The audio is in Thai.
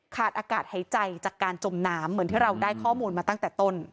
อากาศหายใจจากการจมน้ำเหมือนที่เราได้ข้อมูลมาตั้งแต่ต้น